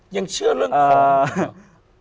ยังเชื่อเรื่องคอ